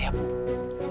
yaudah kamu sana deh